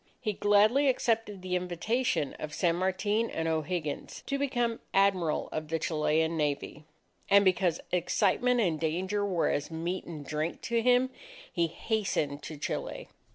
He gladly accepted the invitation of San Martin and O'Higgins, to become Admiral of the Chilean Navy. And because excitement and danger were as meat and drink to him, he hastened to Chile.